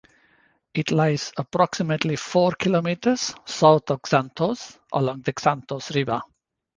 It lies approximately four kilometres south of Xanthos along the Xanthos River.